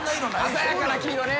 鮮やかな黄色ね。